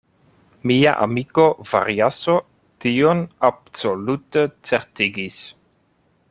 Mia amiko Variaso tion absolute certigis.